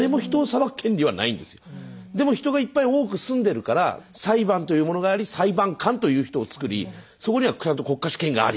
でも人がいっぱい多く住んでるから裁判というものがあり裁判官という人を作りそこにはちゃんと国家試験があり。